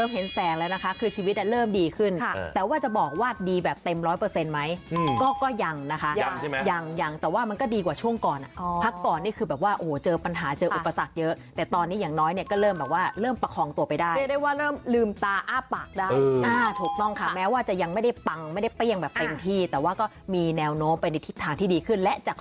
ไม่แตกเลยนะคะคือชีวิตแต่เริ่มดีขึ้นแต่ว่าจะบอกว่าดีแบบเต็ม๑๐๐เปอร์เซ็นต์ไหมก็ก็ยังนะคะยังยังแต่ว่ามันก็ดีกว่าช่วงก่อนครับก่อนนี่คือ